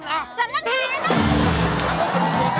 โอ้โฮ